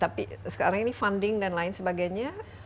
tapi sekarang ini funding dan lain sebagainya